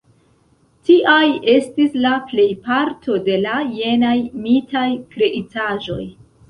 Tiaj estis la plejparto de la jenaj mitaj kreitaĵoj.